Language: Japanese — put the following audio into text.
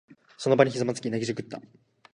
その場にひざまずき、泣きじゃくった。